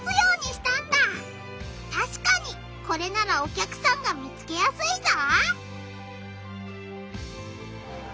たしかにこれならお客さんが見つけやすいぞ！